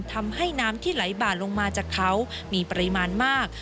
ทำให้น้ำที่ไหลบ่าลงมาจากเขามีปริมาณมาก